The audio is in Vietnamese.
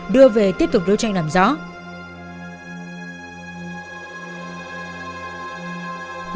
đưa về tiếp tục đối tranh nằm trong tòa án này